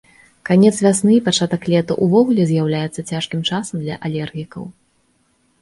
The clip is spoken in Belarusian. Канец вясны і пачатак лета ўвогуле з'яўляецца цяжкім часам для алергікаў.